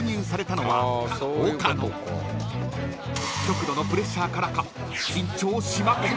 ［極度のプレッシャーからか］